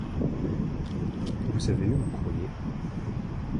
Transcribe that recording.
Vous avez eu mon courrier ?